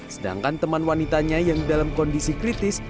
sedangkan teman wanitanya yang dalam kondisi kritis